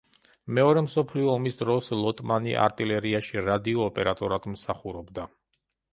მეორე მსოფლიო ომის დროს ლოტმანი არტილერიაში რადიო ოპერატორად მსახურობდა.